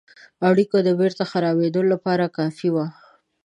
اړېکو د بیرته خرابېدلو لپاره کافي وه.